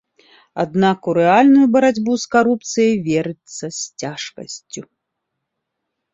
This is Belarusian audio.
Аднак у рэальную барацьбу з карупцыяй верыцца з цяжкасцю.